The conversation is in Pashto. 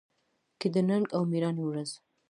کې د ننګ او مېړانې ورځ